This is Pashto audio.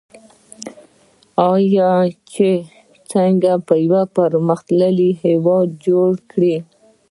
آیا چې څنګه یو پرمختللی هیواد جوړ کړي؟